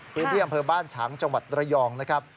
พื้นที่อำเภอบ้านฉางจังหวัดระยองนะครับ